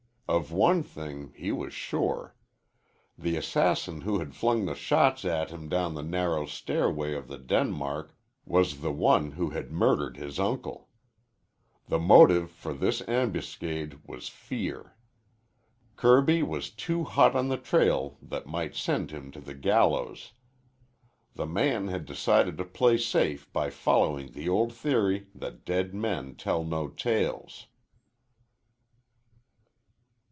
Of one thing he was sure. The assassin who had flung the shots at him down the narrow stairway of the Denmark was the one who had murdered his uncle. The motive for the ambuscade was fear. Kirby was too hot on the trail that might send him to the gallows. The man had decided to play safe by following the old theory that dead men tell no tales.